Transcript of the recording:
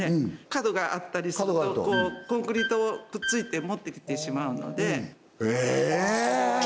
角があったりするとコンクリートをくっついて持ってきてしまうのでへえ！